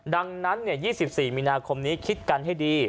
ดังนั้น๒๔มีนาคมนี้คิดกันให้ดี